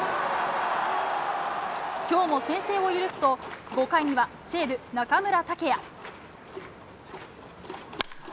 今日も先制を許すと５回には西武、中村剛也。